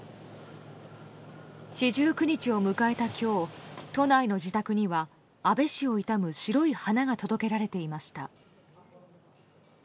四十九日を迎えた今日都内の自宅には安倍氏を悼む白い花が届けられていました。